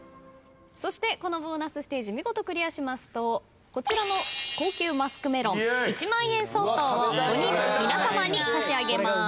そしてこのボーナスステージ見事クリアしますとこちらの高級マスクメロン１万円相当を５人皆さまに差し上げます。